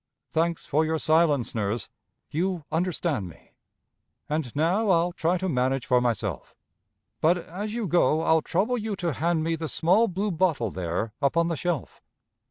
"Thanks for your silence, nurse! You understand me! And now I'll try to manage for myself. But, as you go, I'll trouble you to hand me The small blue bottle there upon the shelf.